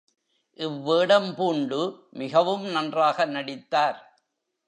இவ்வேடம் பூண்டு மிகவும் நன்றாக நடித்தார்.